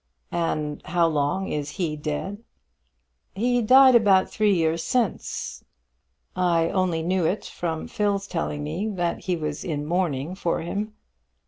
"And how long is he dead?" "He died about three years since. I only knew it from Phil's telling me that he was in mourning for him.